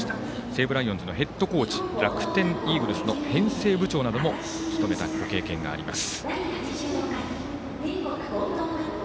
西武ライオンズのヘッドコーチ楽天イーグルスの編成部長なども務めた経験があります。